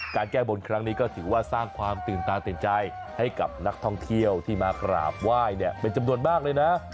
แก้บนครั้งนี้ก็ถือว่าสร้างความตื่นตาตื่นใจให้กับนักท่องเที่ยวที่มากราบไหว้เนี่ยเป็นจำนวนมากเลยนะ